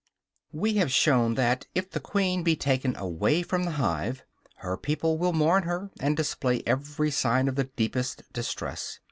We have shown that, if the queen be taken away from the hive, her people will mourn her, and display every sign of the deepest distress.